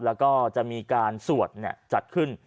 แล้วก็จะมีการสวดจัดขึ้น